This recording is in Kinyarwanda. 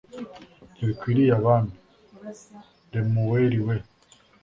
“ntibikwiriye abami, lemuweli we